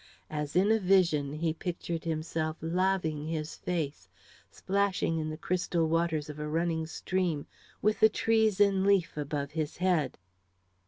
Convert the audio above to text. As in a vision he pictured himself laving his face, splashing in the crystal waters of a running stream, with the trees in leaf above his head.